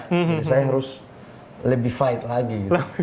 jadi saya harus lebih baik lagi